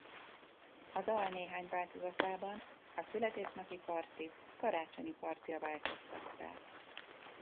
A dal néhány változatában a születésnapi partit karácsonyi partira változtatták.